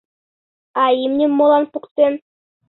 А имньым молан поктен?